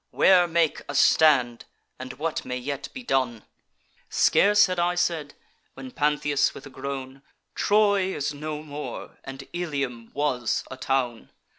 Where make a stand? and what may yet be done?' Scarce had I said, when Pantheus, with a groan: 'Troy is no more, and Ilium was a town!